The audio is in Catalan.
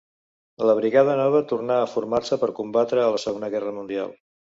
La brigada nova tornar a formar-se per combatre a la Segona Guerra Mundial.